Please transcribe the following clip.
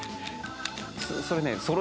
それね。